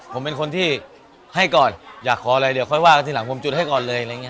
ผมเป็นคนที่ให้ก่อนอยากขออะไรเดี๋ยวค่อยว่ากันทีหลังผมจุดให้ก่อนเลยอะไรอย่างนี้